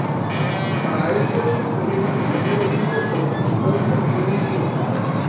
Para ello recurrían a prisioneros vivos o ejecutados a conveniencia.